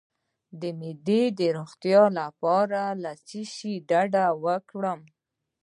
د معدې د روغتیا لپاره له څه شي ډډه وکړم؟